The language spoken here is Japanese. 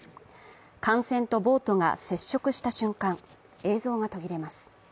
艦船とボートが接触した瞬間、映像が途切れます。